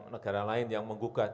negara lain yang menggugat